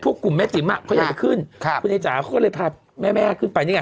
กลุ่มแม่ติ๋มอ่ะเขาอยากจะขึ้นครับคุณไอ้จ๋าเขาก็เลยพาแม่แม่ขึ้นไปนี่ไง